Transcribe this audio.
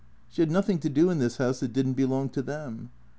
She had nothing to do in this house that did n't belong to them.